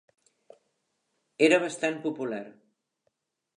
Era bastant popular.